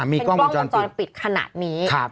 เป็นกล้องวงจรปิดขนาดนี้